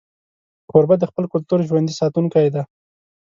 کوربه د خپل کلتور ژوندي ساتونکی وي.